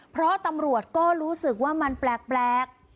เพราะตำรวจก็รู้สึกว่ามันแปลก